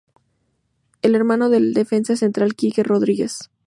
Es hermano del defensa central Kike Rodríguez.